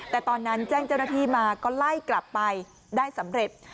แต่ตอนนั้นแจ้งเจ้าหน้าที่มาก็ไล่กลับไปได้สำเร็จ